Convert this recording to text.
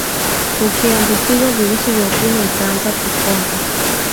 ukiambukizwa virusi vya ukimwi utaanza kukonda